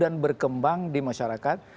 dan berkembang di masyarakat